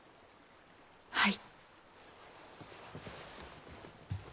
はい。